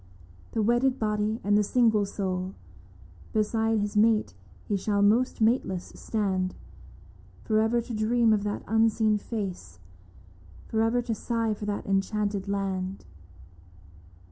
The wedded body and the single soul. Beside his mate he shall most mateless stand, For ever to dream of that unseen face — For ever to sigh for that enchanted land.